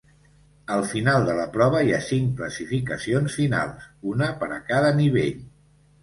Al final de la prova hi ha cinc classificacions finals, una per a cada nivell.